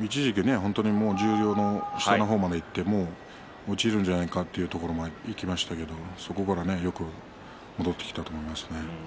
一時期、本当に十両の下の方までいって落ちるんじゃないかというところまでいきましたけれどそこからよく戻ってきたと思いますね。